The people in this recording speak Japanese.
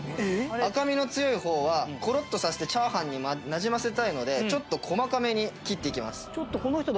赤身の強い方はコロッとさせて炒飯になじませたいのでちょっと細かめに切っていきます。